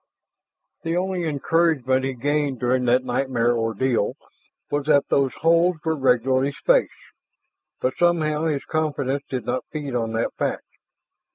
The only encouragement he gained during that nightmare ordeal was that those holes were regularly spaced. But somehow his confidence did not feed on that fact.